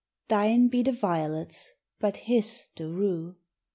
Thine be the violets, but his the rue.